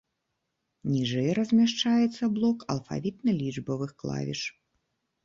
Ніжэй размяшчаецца блок алфавітна-лічбавых клавіш.